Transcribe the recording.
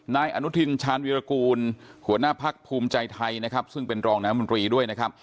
นายอนุทินชาญวิรากูลหัวหน้าพักภูมิใจไทยนะครับซึ่งเป็นรองน้ำมนตรีด้วยนะครับ